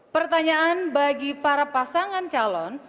pertanyaan bagi para pasangan calon